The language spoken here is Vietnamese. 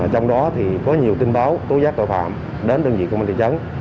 trong đó có nhiều tin báo tối giác tội phạm đến đơn vị công an thị trấn